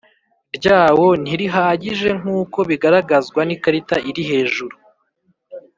ryawo ntirihagije nk uko bigaragazwa n ikarita iri hejuru